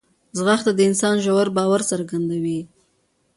ځغاسته د انسان ژور باور څرګندوي